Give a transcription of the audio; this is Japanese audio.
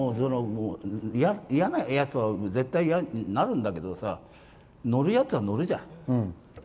いやなやつとは絶対いやってなるんだけど乗るやつは乗るじゃん。